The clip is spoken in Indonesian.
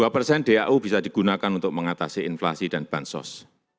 dua persen dau bisa digunakan untuk mengatasi inflasi dan bansos